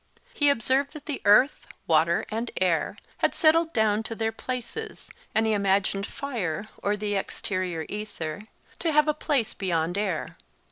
He observed that earth, water, and air had settled down to their places, and he imagined fire or the exterior aether to have a place beyond air.